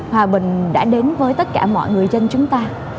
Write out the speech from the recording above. hòa bình đã đến với tất cả mọi người dân chúng ta